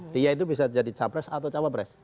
dia itu bisa jadi capres atau cawapres